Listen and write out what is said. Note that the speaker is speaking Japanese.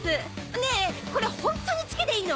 ねえこれホントにツケでいいの？